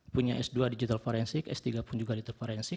punya s dua digital forensik s tiga pun juga digital forensik